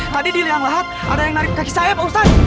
tadi di liang lahat ada yang narik kaki saya pak ustadz